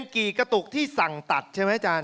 กี่กระตุกที่สั่งตัดใช่ไหมอาจารย